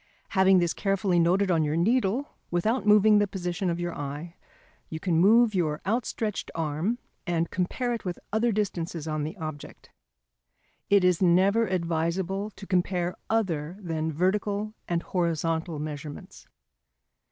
Having this carefully noted on your needle, without moving the position of your eye, you can move your outstretched arm and compare it with other distances on the object. #It is never advisable to compare other than vertical and horizontal measurements.